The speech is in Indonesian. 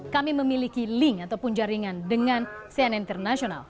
kami memiliki link atau pun jaringan dengan cnn internasional